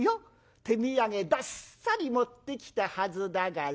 手土産どっさり持ってきたはずだからね。